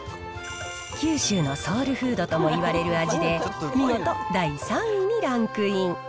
九州のソウルフードともいわれる味で、見事第３位にランクイン。